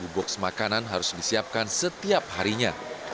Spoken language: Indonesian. enam puluh lima box makanan harus disiapkan setiap harinya